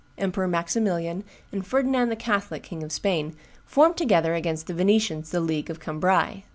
Emperor Maximilian, and Ferdinand the Catholic, King of Spain, form together against the Venetians the League of Cambrai.